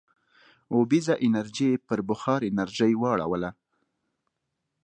اوبیزه انرژي یې پر بخار انرژۍ واړوله.